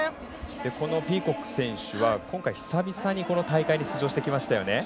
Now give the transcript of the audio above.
このピーコック選手は今回久々に、大会に出場してきましたね。